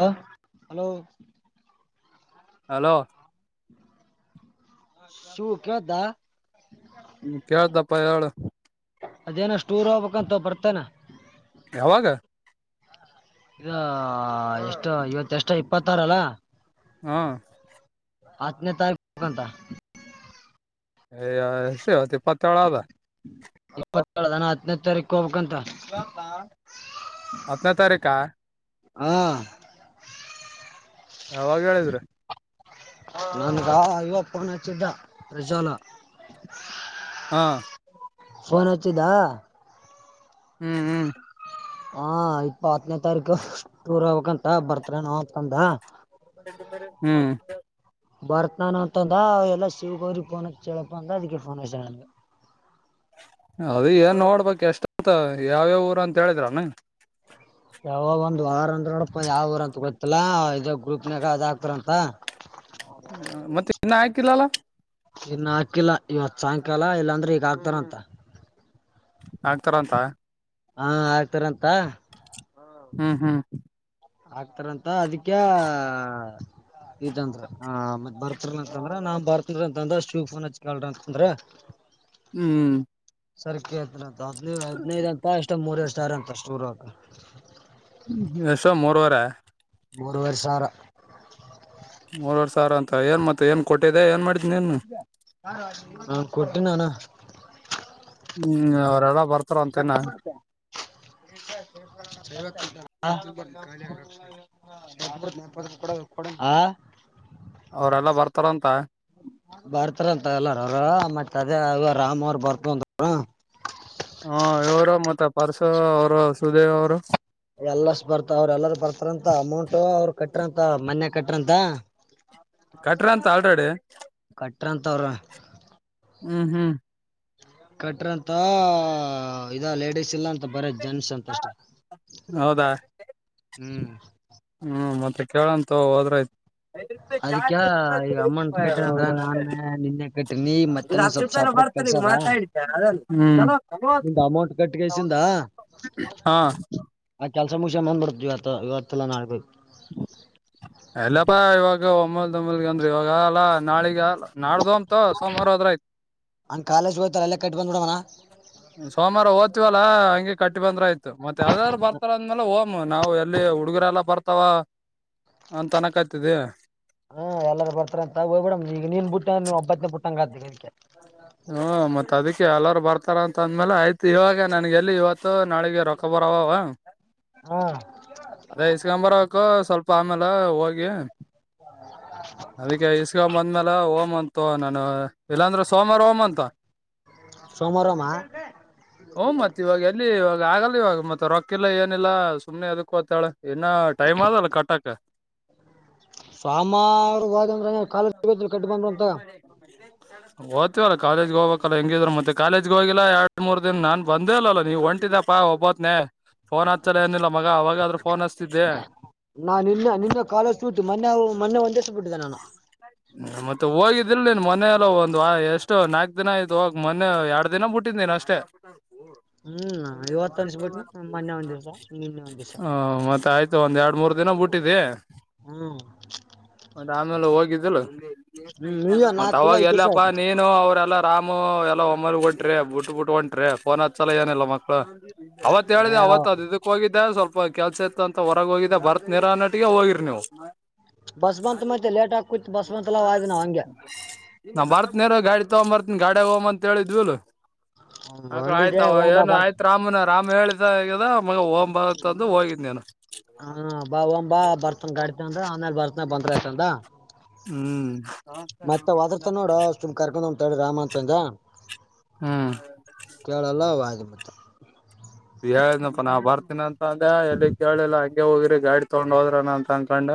ಹ hello hello ಶು ಕದಾ ಹ್ಮ ಕೇಳ್ದಪ್ಪ ಹೇಳ ಅದೇನಷ್ಟ್ಟೂರ್ ಹೋಗಬೇಕಂತ ಬರ್ತೇಾನ ಯಾವಾಗ [unintelligible] ಇ ಎಷ್ಟು ಇವತ್ತ ಎಷ್ಟ ಇಪ್ಪತ್ತಾರ ಅಲ್ಲಾ [unintelligible] ಹಾ [unintelligible] ಹತ್ತನೇ ತಾರೀಕುಂತ [unintelligible] ಆಯಾ ಯಷ್ಟು ಈವತು ಏಪತು ಹೇಳು ಅದ [unintelligible] ಇಪ್ಪತ್ತೇಳ ನಾನ ಹತ್ತನೈದ ತಾರೀಕ ಹೋಗ್ಬೇಕಂತ [unintelligible] ಹತ್ತನೇ ತಾರೀಕ [unintelligible] ಹಾ [unintelligible] ಯಾವಾಗ ಹೇಳಿದ್ರೆ ನನ್ಗ ಇಯವಪ್ಪನ ಚಿದ್ದ ಪ್ರಜಾಲ [unintelligible] ಹಾ [unintelligible] ಫೋನ್ ಹಚ್ಚಿದಾ [unintelligible] ಹ್ಮ್ ಹ್ಮ್ [unintelligible] ಹಾ ಇಪ್ಪ ಹತ್ತನೇ ತಾರೀಕು ಟೂರ್ ಹಕ್ಂತ ಬರ್ತ್ ನಾಕಂದ [unintelligible] ಹ್ಮ್ [unintelligible] ಬರ್ತಾನ ಅಂತಂದ ಅವ ಎಲ್ಲ ಶಿವ್ ಗೌರಿರಿಗೆ ಫೋನಕ್ ಹೇಳೇಳಳಪ್ಪ ಅಂದ ಅದಕ್ಕೆಫೋ [unintelligible] ಅದ ಏನ್ ನೋಡ್ಬೇಕಕ್ ಎಷ್ಟಂತ ಯಾವ್ಯ ಊರ ಅಂತ ಹೇಳಿದ್ರಾನ [unintelligible] ಹ [inaudible] ಯಾವಾಗ ಒಂದ್ ವಾರ ಅಂದ್ರ ನಡಪ ಯಾವ ವಊ ಅಂತ ಗೊತ್ತಿಲ್ಲ ಇದ ಗ್ರೂಪ್ನಾಗ ಅದ ಆಕ್ತಾರಂತ [unintelligible] ಮತ್ತೆ ಇನ್ನ ಹಾಕಿಲ್ಲಲ್ಲ [unintelligible] ಇನ್ನು ಹಾಕಿಲ್ಲ ಇವತ್ತು ಸಾಯಂಕಾಲ ಇಲ್ಲಾಂದ್ರೆ ಈಗ ಆಕ್ತಾರಂತ [unintelligible] ಆಗ್ತರ ಅಂತ [unintelligible] ಹಾ ಆಗ್ತರಂತ [unintelligible] ಹ್ಮ್ ಹ್ಮ್ [unintelligible] ಆಗ್ತಾರಂತ ಅದಕ್ಕೆ [unintelligible] ಇದಂದ್ರ ಆ ಮತ್ ಬರ್ತರ ಅಂತಂದ್ರ ನಾನ್ ಬರ್ತರ ಅಂತಂದ್ರ ಶಿವ ಫನ್ ಹಚ್ಕಲ್ ಅಂತಂದ್ರ [unintelligible] ಹ್ಮ್ ಸರ್ಕ ಆತನ ಹದ್ ಹದ್ನೈದು ಅಂತ ಎಷ್ಟ ಮೂರಡು ಸ್ಟಾರ್ ಅಂತ ಸೂರಕ ಎಸ ಮೂರ್ವಾರ ಮೂ ವರ್ಷಾರ ಮೂರ್ವರ್ ಸಾವಿರ ಅಂತ ಏನ್ ಮತ್ತ ಏನ್ ಕೊಟ್ಟಿದೆ ಏನ್ ಮಾಡ್ತೀನಿ ನೀಏನು ಹ ಕೊಟ್ಟ ನಾನ ಹ್ಮ್ ಅವ್ರಡ ಬರ್ತಾರೆ [unintelligible] [unintelligible] ಅವ್ರೆಲ್ಲ ಬರ್ತಾರಂತ ಬರ್ತಾರಂತ ಎಲ್ಲಾರ ಅವ್ರ ಮತ್ತತ್ ಅದೇ ಇ ರಾಮ್ ಅವರು ಬರ್ತಂತ ಹಾ ಇವರು ಮತ್ತೆ ಪಾರ್ಶ ಅವರು ಸುದೇವ್ ಅವರು ಎಲ್ಲಷ್ಟ ಬರ್ತ ಅವ್ರ ಎಲ್ಲಾರ ಬರ್ತಾರಂತ ಅಮೌಂಟ್ ಅವ್ರರು ಕಟ್ರಂತ ಮನ್ ಕಟ್ರಂತ ಹೌ ಹ ಕಟ್ರ ಅಂತ ಆಲ್ರೆಡಿ ಕಟ್ಟ್ರ ಅಂತ ಅವ್ರ ಹ್ಮ್ ಹ್ಮ್ ಕಟ್ರಂತ ಇದ ಲೇಡಿಸಸ್ ಇಲ್ಲ ಅಂತ ಬರದ ಜನ ಸಂತೋಷ ಹೌದಾ ಹ್ಮ್ ಹ್ಮ್ ಮತ್ತೆ ಕೇಳಂತ ಹೋದ್ರೈತ ಅದಕ್ಕ [unintelligible] ನಿ ಈಗ ಹತ್ತು ರೂಪಾಯನ ಬರ್ತನೆ ಈಗ ಮಾತಾ ಇತ ಅದ ನಿಂದ ಅಮೌಂಟ್ ಕಟ್ಟಿಗೆಸಿಂದ ಹಾ ಆ ಕೆಲ್ಸ ಮುಗಸ ಬಂದ್ ಬರ್ತತಿವಿವ ಇವತ್ತಲ್ಲ ನಾು ಎಲ್ಲಪ್ಪಾ ಇವಾಗ ಒಮ್ಮಲ್ ಒಂಬಲ್ಗ ಅಂದ್ರಿ ಇವಾಗ ಆಲಾ ನಾಳಗ ಆಲ ನಾಡ್ದು ಅಂತ ಸೋಮಾರ ಅದ್ರ ಆಯತು ಹಂಗ್ ಕಾಲೇ್ ಹೋಗ್ತ ಎಲ್ಲ ಕಟ್ಟ ಬ್ ಬಿಡಣ ಸೋಮವಾರ ಓ್ತಿವಲ್ಲಾ ಹಂಗಗೆ ಕಟ್ಟಿ ಬಂದ್ರಯ್ತು ಮತ್ತ ಯಾವದಾದ್ರು ಬರ್ತ ಅಂದ್ಮೇಲೆ ಓಮ್ ನಾವು ಎಲ್ಲಿ ಹುಡುಗರ ಎಲ್ಲ ಬರ್ತ ಅಥವಾ ಅ ತನಕ ಆ್ತಿದ ಹಾ ಎಲ್ಲಾರ ಬರ್ತಾರ ಅಂತ ಹೋಗಿೇಡಮ್ ಈಗ ನೀನ್ ಬ ಬಿಟ್ಟ ನೀ್ ಒಬತ್ತನೇ ಬುಟ್ಟಂಗ ಆ ಅದಕ್ಕೆ ಅ ಹ್ಮ ಮತ್ ಅದಕ್ಕೆ ಎಲ್ಲಾರ ಬರ್ತಾರ ಅಂತ ಅಂದ್ಮೇಲೆ ಆಯ್ತು ಇವಾಗ ನನ್ಗೆ ಎಲ್ಲಿ ಇವತ್ತು ನಾಳಿಗೆ ರೊಕ್ಕ ಬರವವ ಹಾ ಅದೇ ಇಸ್ಕಾಂಬರಕ ಸ್ವಲ್ಪ ಆಮೇಲೆ ಹೋಗಿ ಅದಕ್ಕೆ ಇಸ್ಗ ಬಂದ್ಮ್ಯಲೆ ಓಮ ಅಂತು ನಾನು ಇಲ್ಲಾಂದ್ರೆ ಸೋಮಾರ ಓಮ ಅಂತ ಸಮಮರಮ ಹಓ ಮತ್ತತ್ ಇವಾಗ ಎಲ್ಲಿ ಇವಾಗ ಆಗಲ್ ಇವಾಗ ಮತ್ತ ರೊಕ್ಕಿಲ್ಲ ಏನಿಲ್ಲಾ ಸುಮನೆ ಅದಕ್ಕೋ್ತಾಳೆ ಇನ್ನ ಟೈಮ ಆದ ಅಲ್ಲ ಕಟಾಕ ಸಾಮಾರು ಹಂದ್ರ ಕಾಲ ಕಟ್ಟ ಬಂದ ಅಂತ ಮ ದ್ತೀವಲ್ಲ ಕಾಲೇಜ್ ಹೋಗ್ಬೇಕಲ್ಲ ಹಂಗಿದ್ರ ಮತ್ತ ಕಾಲೇಜ್ ಹೋಗಿಲ್ಲ ಎರಡು ಮೂರು ದಿನ ನಾನು ಬಂದೇ ಇಲ್ಲ ನೀವು ಒಂಟಿದ ಪ್ಪಾ ಒಬ್ಬತ್ನನೆ ಫೋನ್ ಹತಲ ಏನಿಲ್ಲ ಮಗ ಅವಾಗಾದ್ರ ಫೋನ್ ಹಸ್ತಿದ್ದೆ ನಾ ನಿನ್ನೆ ನಿನ್ನೆ ಕಾಲೇಜ್ ತೂತು ಮೊನ್ನೆ ಮೊನ್ನೆ ಒಂದೇಶ ಬಿಟ್ಟಿದ್ದೆ ನಾನು ಮತ್ತೆ ಹೋಗಿದ್ದಿಿಲ್ಲ ನೀನು ಮೊೆಯ ಎಲ್ಲ ಒಂದು ಎಷ್ಟು ನಾಲ್ಕು ದಿನ ಆಯ್ತು ಹೋಗಿ ಮೊನೆ ಎರಡು ದಿನ ಬಿುಟ್ಟಿದ್ದ್ ನೀನು ಅಷ್ಟು ಹ್ಮ್ ಇವತ್ತು ತ್ತ ಅನ್ಸ್ಬಿಟ್ಟು ಮೊನ್ನೆ ಒಂದ್ ದಿವಸ ನಿನ್ನೆ ಒಂದ್ ದಿವಸ ಹ ಮತ್ತ ಆಯ್ತ ಒಂದ್ ಎರಡ್ ಮೂರ್ ದಿನ ಬಿಟ್ಟಿದೆ ಹ್ಮ್ ಮತ್ತೆ ಆಮೇಲೆ ಹೋಗಿದ್ದಲು ಹ್ಮ್ ಈಗ ಮತ್ತ ನಾಲ್ಕು ಇಲ್ಲ ಅವಾಗ ಐದು ದಿವಸ ಎಲ್ಲಪ್ಪ ಆಯ್ತು ನೀನ್ ಇನು ಅವ್ರೆಲ್ಲ ರಾಮು ಎಲ್ಲ ಒಮ್ಮರ್ ಹೊಂಟ್ರಿ ಬಿಟ್ ಬಿಟ್ಟ ಹೊಂಟ್ರಿ ಫೋನ್ ಹತ್ಸಲ ಏನಿಲ್ಲಲ್ಲ ಮಕ್ಳು ಅವತ್ ಏ ಹೇಳಿದೆ ಅವತ್ ಅವ- ಅದು ಹೋಗಿದ್ದೆ ಸ್ವಲ್ಪ ಕೆಲ್ಸ ಇತ್ತ ಅಂತ ಹೊರಗ ಹೋಗಿದ್ದೆ ಬರತ್ ನೀರಾ ನಟಿಗೆ ಹೋಗಿರಿ ನೀವು ಬಸ್ ಬಂತ ಮತ್ತ ಲೇಟ್ ಗಿಿ ಕುತ ಬಸ್ ಬಂತಲ್ಲ ಆಯ್ದ ನಾವು ಹಂಗೆ ನಾ್ ಬರ್ತನಿಾರ ಗಾಡಿ ತಗೊ ಬರ್ತೀನಿ ಗಾಡ ಹೋಗ್ ಅಂತ ಹೇಳಿದ್ವಿಲ್ ಆ ಆಯ್ತ ಬಂದಿದ್ದೆ ಅವ ಓಂ ಬಾ ಏನು ಬರ್ತ ಆಯ್ತ ರಾಮನ ರಾಮ್ ಹೇಳಿದಗ ಮ ಓಂ ಭಾರತ್ ಅಂದು ಹೋಗಿದ್ ನೀು ಹಾ ಬಾ ಒ ಬಾ ಬರ್ತನ್ ಗಾಡಿತ ಅಂದ್ರ ಆಮೇಲ್ ಬರ್ತನ ಬಂದ್ರಯ್ತಂದ ಹ್ಮ್ ಚುಮ್ ಕರ್ಕೊಂಡ್ಂದ್ ತಾ ರಾಮ ಅಂತಂದ ಹಾ ಕೇಳಲ್ಲ ಮತ್ತ ಹೇಳನಪ್ಪ ನಾ ಬರ್ತೀನ ಅಂತಂದೆ ಎಲ್ಲಿ ಕೇಳಿಲ್ಲ ಹೋಗಿರಿ ಗಾಡಿ ತಗೊಂಡ್ ಹೋದ್ರನ ಅಂತ ಅನ್ಕೊಂಡ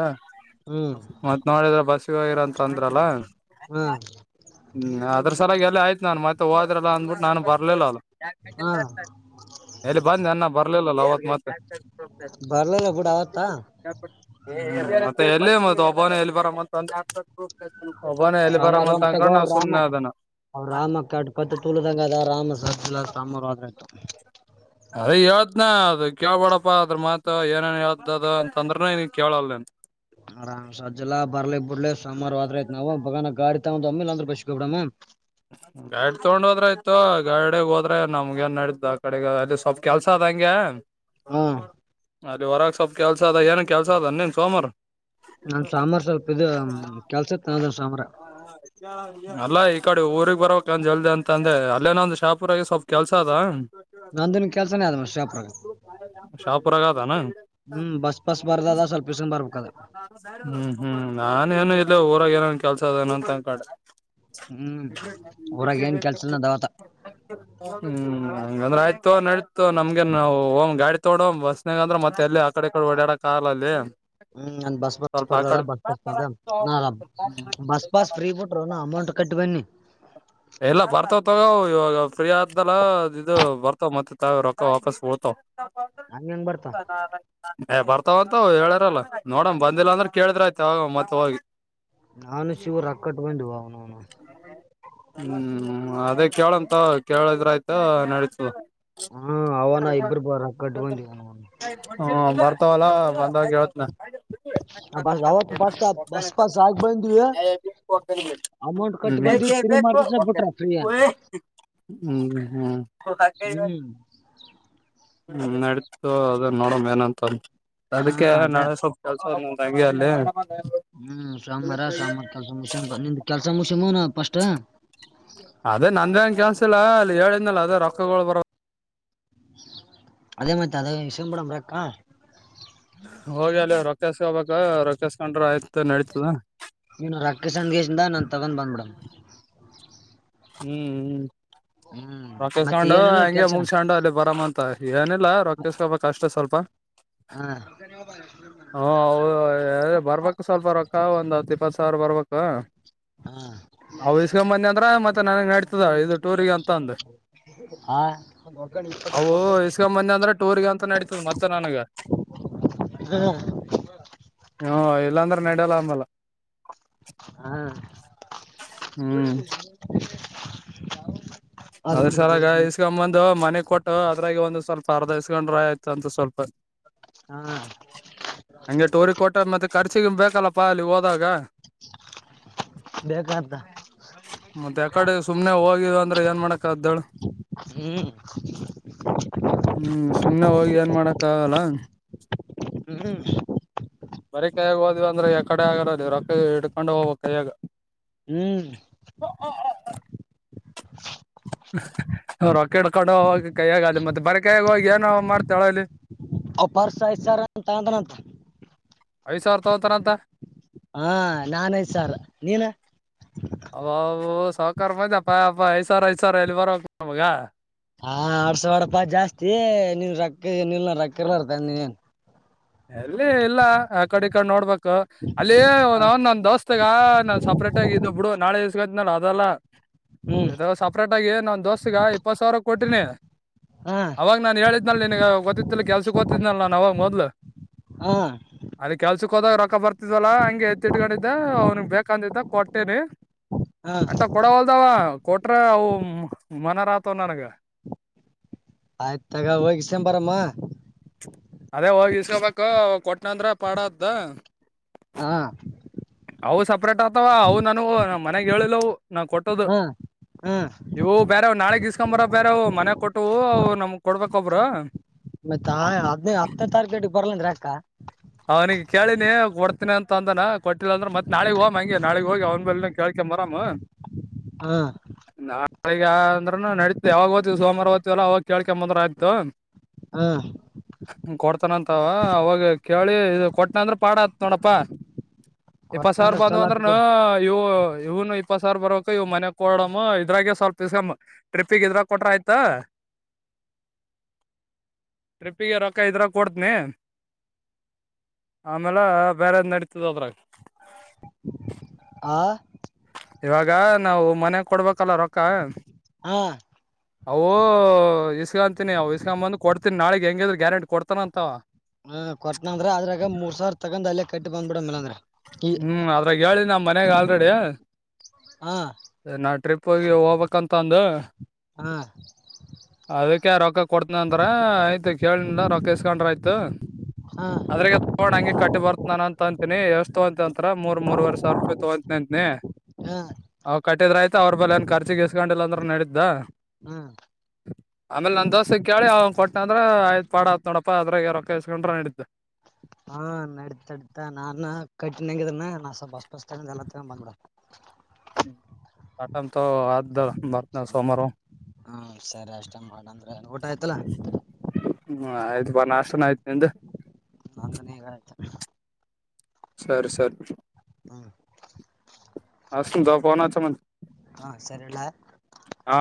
ಹ್ಮ್ ಮತ್ ನೋಡಿದ್ರೆ ಬಸ್ಗೆ ಹೋಗಿರಂತ ಅಂದ್ರಲ್ಲ ಹ್ಮ ಹ್ಮ್ ಅದ್ರ ಸಲಾಗಿ ಎಲ್ಲ ಆಯ್ತು ನಾನು ಮತ್ತೆ ಹೋದ್ರಲ್ಲ ಅಂದ್ಬಿಟ್ಟು ನಾನು ಬರ್ಲಿಲ್ಲಲ್ಲ ಹಾ ಎಲ್ಲಿ ಬಂದಿ ಅನ್ನ ಬರ್ಲಿಲ್ಲಲ್ಲ ಅವತ್ ಮತ್ತೆ ಬರಲದಬಡ ಆವತ್ತಾ ಮತ್ತೆ ಎಲ್ಲೇ ಮ ಒಬ್ಬನ ಎಲ್ಲಿ ಬರ ಮ ಒಬ್ಬನ ಎಲ್ಲಿ ಬರ್ ಸಾಮಾರು ಅಂತ ತಗೋ ಅನ್ಕೊಂಡು ಅವ್ ನಾವ್ ರಾಮ ಸುಮ್ಮನೆ ಅದನ ಅವ್ ರಾಮ ಕ ಕತ್ತು ತೂಳದಂಗ ಅದ ರಾಮ ಸರ್ಲ ಸಾಮ್ರ್ರತ ಅದೇ ಹೇಳ್ದನ ಅದು ಕೇಳ್ಬೇಡಪ್ಪಾ ಅದ್ರ ಮಾತು ಏನೇನ್ ಹೇತ ಅ ಅಂತ ಅಂದ್ರನು ನೀ ಕೇಳಲ್ಲ ಹ ಆರಾಮ್ ಸ ಅಜ್ಜಲ್ಲಾ ಬರ್ಲಿಕ್ ಬಿಡ್ಲಿ ಸೋಮಾರು ಹದ್ರ ಐ್ತ್ ನಾವು ಬ ಗಡಿ ತಾ ಒಂದುಮ್ಮಿಲ್ಲಾ್ರ ಬಸು ಕ ಬಿಡ ಹ ಗಾಡಿ ತಗೊಂಡ್ ಹೋದ್ರ ಆಯತು ಗಾಡಗ್ ಹೋದ್ರೆ ನಮ್ಗೆ ನ್ ನಡ್ದ ಆ ಕಡೆಗ ಅಲ್ಲಿ ಸ್ವಲ್ಪ ಕೆಲ್ಸ ಅದಂಗೆ ಹಾ ಅಲ್ಲಿ ಹೊರಗ್ ಸ್ವಲ್ಪ ಕೆಲ್ಸ ಅದ ಏನ ಕೆಲ್ಸ ಅದ ನೀನ್ ಸೋಮಾರ ನಾ ಸಾಮಾರ್ ಸ್ವಲ್ಪ ಇ ಕೆಲ್ಸತ್ ನ ಸಾಮ್ರ ಅಲ್ಲ ಈ ಕಡೆ ಊರಿಗೆಗ್ ಬರ್ಬೇಕಂದ ಜಲ್ದಿ ಅಂತ ಅಂದೆ ಅಲ್ಲೇನಂದಂದು ಶಾಪುರಾಗಿ ಸ್ವಲ್ಪ ಕೆಲ್ಸ ಅದ ನಂದನ್ ಕೆಲ್ಸನೇ ಆದ ಮ ಶಪರಗ ಪರಗತ ನ ಹ್ಮ್ ಬಸ್ ಪಸ್ ಬರ್ದ ಅದ ಸ್ಲ್ ಯಿವೂಸನ್ ಬರ್ಬೇಕು ಅ ಹ್ಮ್ ಹ್ಮ್ ನಾನ ಏನು ಇಲ್ಲ ಊರಾಗ ಏನನ್ ಕೆಲ್ಸದೇನ ಅಂತಕಡ ಹ್ಮ್ ಊರಾಗ ಏನ್ ಕೆಲ್ಸನ ದಾವತ ಹ್ಮ್ ಹಂಗಂದ್ರ ಆಯ್ತು ನಡತು ನಮ್ಗೆ ನಾವು ಹ ಗಾಡಿ ತೋಡ ಬಸ್ನಾಗ ಅಂದ್ರ ಮತ್ತೆ ಎಲ್ಲಿ ಆ ಕಡೆ ಈಡೆ ಓಡಾಡ ಕಾರ್ ಅಲ್ಲಿ ಹ್ಮ್ ನಂದ ಬಸ್ ಪಾಸ್ ಸ್ವಲ್ಪ ಆ ಸ್ಪರ್ದ ಅದ ಕಡೆ ಬಸ್ಾಸ್ ಬಸ್ ಪಾಸ್ ಫ್ರೀ ಅಮೌಂಟ್ ಕಟ್ಟಿ ಬನ್ನಿ ಎಲ್ಲ ಬರ್ತಾವ ತಗೋ ಇವಾಗ ಫ್ರೀ ಆದ್ದಲ್ಲ ಇದ ಇದು ಬರ್ತಾವ ಮತ್ತೆ ತಾವ ರೊಕ್ಕ ವಾಪಸ್ ಹಓಡ್ತವ ತ ನಂಗ ಹೆಂಗ ಬರ್ತ ಏ ಬರ್ತಾವಂತ ಹೇಳ್ಯಾರಲ್ಲ ನೋಡಣ ಬಂದಿಲ್ಲ ಅಂದ್ರ ಕೇಳಿದ್ರಯ್ತ ಅವ ಮತ್ತ ಹೋಗಿ ನಾನು ಶಿವರು ಅ ಕಟ್ಕೊಂಡ್ ಬ ನನು ಹ್ಮ್ ಅದೇ ಕೇಳಂತ ಕೇಳಿದ್ರ ಆಯ್ತ ನಡೀತು ಹ್ಮ ಅವಾನ ಇಬ್ಬರು ಬರ್ರ ಕಟ್ಟ ಬಂದಿ ಹ್ಮ ಬರ್ತವಲ್ಲಾ ಬಂದಾಗವತ್ನಾ ಸ [unintelligible] ಬಸ್ ದಟ್ಸ್ ಅವತ್ ಬಸ್ ಬಸ್ ಪಾಸ್ ಆಗಿ ಬಂದ್ವಿ ಇಟ್ ಅಮೌಂಟ್ ಕಟ್ಟಿ ಬಂದ್ವಿ ಬೇಕೇ ತಿರುಗಿ ಬೇಕು ಮಾಡ್ತಿಸ ಹ ಬಿಟ್ರ ಫ್ರೀ ಅಂತ ಹ್ಮ ಹ್ಮೆ ಹ್ಮ್ ಹ್ಮ್ ನಡತು ಅದ ನೋಡಮ ಏನಂತ ಹಾ ಅದಕ್ಕೆ ಅದೇ ನಾಳೆ ಸ್ವಪ ಕ ನಡೆಸಿದ ಮತ್ತೆ ಅಲ್ಲಿ ಅಲ್ಲೇ ಹ್ಮ್ ಸಾಮಾರ ಸಾಮಂಬಾರ ಕೆಲ್ಸ ಮುಗಷ್ಯ ನಿ ಕೆಲ್ಸ ಮುಗಷ್ಯನ ಪಸ್ಟ್ ಅದೇ ನಂದೇಂಗ ಕೆನ್ಸಿಲ್ಲ ಅಲ್ಲಿ ಹೇಳಿದ್ನಲ್ಲ ಅದೇ ರೊಕ್ಕಗಳು ಬರೋ ಅದೇ ಮತ್ತೆ ಅದೇ ಇಸ್ಕಂತು ಬಿಡಾನ ರೊಕ್ಕ ಹೋಗಿ ಅಲ್ಲಿ ರೊಕ್ಕಸ್ಕೋಬೇಕ ರೊಕ್ಕಸ್ಕೊಂಡ್ರ ಆಯ್ತು ನಡತದ ನೀನು ರಕ್ಕಕ್ಕೆ ಸಂದೇಶದ ನಾನನ್ ತಗೊಂಡ ಬ್ಬಿಡಲ್ಲ ಹ್ಮ್ ಹ್ಮ್ ಹ್ಮ್ ಮತ್ತೆ ರೊಕ್ಕಸ್ಕಂಡು ಏನಿಲ್ಲ ಹಂಗೆ ಕೆಲ್ಸ ಮುಗಸಂಡು ಅಲ್ಲಿ ಬರ ಅಂತ ಏನಿಲ್ಲಾ ರೊಕ್ಕಸ್ಕೊಪ ಕಷ್ಟ ಸ್ವಲ್ಪ ಹಾ ಹಾೌ ಬರ್ಬೇಕಕ್ ಸ್ವಲ್ಪ ರೊಕ್ಕ ಒಂದ್ ಹತ್ತು ಇಪ್ಪತ್ತು ಸಾವಿರ ಬರ್ಬೇಕ ಹಾ ಹ ಇಸ್ಗಂಬಂದಿ ಅಂದ್ರ ಮತ್ತೆ ನನಗ್ ನಡ್ತದ ಇದು ಟೂರಿಗೆ ಅಂತ ಅಂದು ಹಾ ಗಕಣ ಅ ಇಸ್ಕಂಬಂದಿ ಅಂದ್ರೆ ಟೂರ್ಗ ಅಂತ ನಡತದ ಮತ್ತೆ ನನಗ ಅದ್ರ ಹ್ಮ ಇಲ್ಲಾಂದ್ರೆ ನಡಿಯಲ್ಲ ಅಂದಲ್ಲ ಹಾ ಹ್ಮ್ ಅದ್ರ ಸಲಾಗ ಇಸ್ಕೊಂಬಂದು ಮನೆ ಕೊಟ್ಟ ಹ ಅದ್ರಾಗಿ ಒಂದು ಸ್ವಲ್ಪ ಅರ್ಧೈಸ್ಕೊಂಡ್ರ ಆಯತು ಅಂತ ಸ್ವಲ್ಪ ಹಾ ಹಂಗೆ ಟೋರಿ ಕೊಟ್ಟ ಮತ್ತೆ ಖರ್ಚಿ ಬೇಕಲ್ಲಪ್ಪಾ ಅಲ್ಲಿ ಹೋದಾಗ ಬೇಕಂತ ಮತ್ತೆ ಯಕಡೆ ಸುಮ್ನೆ ಹೋಗಿದ ಅಂದ್ರೆ ಏನ್ ಮಾಡಕ್ ಅದ್ದಳ ಹ್ಮ್ ಹ್ಮ್ ಸುಮ್ನೆ ಹೋಗಿ ಏನ್ ಮಾಡಕ್ಕ ಆಗಲ್ಲ ಹ್ಮ್ ಬರಿೀ ಕೈಯಾಗ ಹೋದ್ ಅಂದ್ರೆ ಕಡೆ ಆಗಿರೋದು ರೊಕ್ಕ ಹ ಇಡ್ಕೊಂಡು ಹೋಗ ಕೈಯಾಗ ಹ್ಮ್ ಹ ಹ ರೊಕ್ಕೆಡ್ಕೊಂಡ ಹ ಕೈಯಗಾಲ ಮತ್ತೆ ಬರ ಕೈಯಾಗ ಹೋಗಿ ಏನ ಮಾಡ್ತಾಳ ಅಲ್ಲಿ ಅಪರ್ಸ ಆಐ್ತರ್ ಅಂತ ಅಂತನಂತ ಐದು ಸಾವಿರ ತಗೋತಾರ ಅಂತ ಹಾ ನನ್ ಐದು ಸಾರ್ ನೀನ ಅ ಸಾವಕಾರ ಮಂದ ಅಪ್ಪ ಅ ಐ ಸಾವಿರ ಐದ ಸಾವರ ಎಲ್ಲಿ ಬರಕ್ ನಮಗ ಹಾ ಅಡ್ಸ ಅಡಪ ಜಾಸ್ತಿ ನೀನ್ ರೊಕ್ಕ ನಿಲ್ ರೊಕ್ಕಲ್ಲ ಬರ್ತ ನೀನ್ ನ್ ಎಲ್ಲಿ ಇಲ್ಲ ಆ ಕಡೆ ಈ ಕಡೆ ನೋಡ್ಬೇಕು ಅಲ್ಲಿ ಅವನ್ ನನ್ ದೋಸ್ತಗ ನಾನ್ ಸಪ್ರೇಟ ಆಗ ಇದ್ ಬಿಡು ನಾಳೆ ಇಸ್ತ್ನ ಅದಲ್ಲ ಹ್ಮ್ ಇ ಸಪ್ರೇಟ್ ಆಗಿ ನಾನ್ ದೋಸ್ತಗ ಇಪ್ಪತ್ ಸಾವಿರ ಕೊಟ್ರೀನಿ ಹಾ ಅವಾಗ ನಾನ್ ಹೇಳಿದ್ನಲ್ ನಿನ್ಗೆ ಗೊತ್ತಿತ್ತಿಲ್ಲ ಕೆಲ್ಸಕ್ ಗೊತ್ತಿದ್ನಲ್ ನಾನ್ ಅವಾಗ ಮೊದ್ಲು ಹಾ ಅದ ಕೆಲ್ಸಕ್ ಹೋದಾಗ ರೊಕ್ಕ ಬರ್ತಿದ್ವಲ್ಲ ಹಂಗೆ ಎದತ್ತಿಟ್ಕೊಂಡಿದ್ದ ಅವ್ನಿಗೆ ಬೇಕಂತಿದ್ದ ಕೊಟ್ಟೇನಿ ಹಾ ಅಂಂತ ಕೊಡ ಹೊಲ್ದಾವ ಕೊಟ್ರ ಅವು ಮನರ ಆತವ ನನಗ ಆಯ್ತ ತಗ ಹೋಗಸಂಬಾರಮ್ಮ ಅದೇ ಹೋಗಿ ಇಸ್ಕೊಬೇಕ ಕೊಟ್ಟನಂದ್ರ ಪಾಡದ ಹಾ ಅವು ಸಪ್ರೇಟ್ ಆತವ ಅವು ನಾನು ನಮ್ಮ್ ಮನೆಗ್ ಹೇಳಿಲ್ಲವು ನಾ ಕೊಟ್ಟೋದು ಹಾ ಹಾ ಇವು ಬೇರೆ್ ನಾಳೆ ಗೀಸ್ಕೊಂಬರ ಬೇರೆ ಮನೆ ಕೊಟ್ಟವು ಅವು ನಮಗ್ ಕೊಡ್ಬೇಕ ಒಬ್ರ ಮತ್ತತ್ ಹದ್ ಹತ್ತನೇ ತಾರೀಕೇಟಿಗೆ ಬರ್ಲಾನ್ ಅಕ್ಕ ಅವ್ನಿಗೆ ಕೇಳಿನಿ ಕೊಡ್ತೀನಿ ಅಂತ ಅಂದನ ಕೊಟ್ಟಿಲ್ಲ ಅಂದ್ರ ಮತ್ತತ್ ನಾಳಗ್ ಹೋಗ್ ಹಂಗೆ ನಾಳಗ್ ಹೋಗಿ ಅವ್ನ್ ಬ ಕೇಕೊಂಬರಾಮ್ ಹಾ ನಾಳಗ ಅಂದ್ರನು ನಡಿತತ ಯಾವಾಗಓದ್ತಿವಿ ಸೋಮವಾರ ಓ್ತಿವಲ್ಲ ಅವಾಗ ಕೇಳ್ಕೊಂಬಂದ್ರ ಆಗ್ತು ಹಾ ಹ್ಮ ಕೊಡ್ತಾನಂತವ ಅವಾಗ ಕೇಳಿ ಇ ಕೊಟ್ನ ಅಂದ್ರ ಪಾಡ ಆತ್ ನೋಡಪ್ಪಾ ಇಪ್ಪತ್ ಸಾವಿರ ಕೊಟ್ನಂದ್ರ ಬಂದ ಚಲೋ ಆತ್ ಅಂದ್ರ ಬಿಡು ಇವು ಇವನು ಉಪ್ಪ ಸರ್ ಬರಕ ಇವ್ ಮನೆ ಕೊ ಡಮ್ಮ ಇದ್ರಾಗೆ ಸ್ವಲ್ಪ್ ಟ್ರಿಪ್ಪಿಗೆ ಇದ್ರಾಗ ಕೊಟ್ರ ಆಯ್ತಾ [inaudible] ಟ್ರಿಪ್ಪಿಗೆ ರೊಕ್ಕ ಇದ್ರ ಕೊಡ್ತನಿ ಆಮೇಲೆ ಬೇರೆ ನಡೀತದ ಅದ್ರಾಗ ಆ ಇವಾಗ ನಾವು ಮನ್ ಗ ಕೊಡ್ಬೇಕಲ್ಲ ರೊಕ್ಕ ಹಾ ಅವು ಇಸ್ಕೊಂತಿನಿ ಅವವು ಇಸ್ಕೊಂಬಂದ್ ಕೊಡ್ತೀನಿ ನಾಳಗ್ ಹೆಂಗಿದ್ರರು ಗ್ಯಾರಂಟಿ ಕೊಡ್ತಾನ ಅಂತ ಹ್ಮ ಕೊಟ್ನಂದ್ರ ಅದ್ರಾಗ ಮೂರ್ ಸಾವಿರ ತಗೊಂಡ್ ಅಲ್ಲೇ ಕಟ್ಟಿ ಬಂದ್ಬಿಡ ಮೇಲೆ ಅಂದ್ರ ಈ ಪ್ರಗಿ ನಮ್ಮ್ ಮನ್ಯಾಗ ಆಲ್ಡಿ ಹಾ ಸ ನಾ ಟ್ರಿಪ್ಗೆಿ ಹೋಗ್ಬೇಕಕ್ಂತಂದ ಹಾ ಅದಕ್ಕೆ ರೊಕ್ಕ ಕೊತನ ಅಂದ್ರ ಆಯ್ತು ಕೇಳನಿಲ್ಲ ರೊಕ್ಕ ಇಸ್ಕೊಂಡ್ರ ಆಯ್ತು ಹಾ ಅದ್ರ ತೋ್ ಹಂಗ ಕಟ್ಟ ಬತತ್ ನಾನ ಅಂತಿನಿ ಯವಸ್ ತಗೊಂತಂತ ಮೂರ್ವರೆ ಸಾವಿೂಪ ತಗೊಂತನ ಅಂತನಿ ಹ್ಮ ಅವ್ ಕಟ್ಟಿದ್ರೆ ಆ್ತ ಅವ್ರ ಬೇ ಏ ಖರ್ಚಿಗೆಗಿಸಸ್ಕೊಂಡಿಲ್ಲ ಅಂದ್ರರು ನಡಿದ್ದ [inaudible] ಆಮೇಲೆ ನನ್ ದೋಸೆ ಕೇಳಿ ಅವ್ ಕೊಟ್ಟ ಅಂದ್ರೆ ಆಯ್ತ್ ಪಾಡತ್ ನೋಡಪ್ಪ ಅ್ರಾಗ ರೊಕ್ಕಸ್ಕೊಂಡ್ರ ನಡಿದ್ದು ಹಾ ನಡತಾಡತಾ ನಾನು ಕಟ್ಟಿಂಗಿದ ನ ಸ್ವಲ್ ಬಸ್ ಬಸ್ ಎಲ್ಲ ಬ್ಬಿಡ ಆಟಾಮ ತ ಹ ಹಾ ಸರಿ ಅಷ್ಟ ಬಣ ಅಂದ್ರೆ ಊಟ ಆಯ್ತಲ್ಲ ಹ್ಮ ಆಯ್ತ್ ಬ ನ ಅಷ್ಟ ಆಯ್ತು ನಿ್ದ ಅ ಈಗ ಆಯ್ತು ಸರಿ ಸರಿ ಹಾ ಅಷ್ಟ ಕುಂತ ಪನ ಮ ಹಾಂ ಸರಿಲ್ಲ ಹಾ